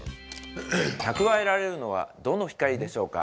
蓄えられるのはどの光でしょうか？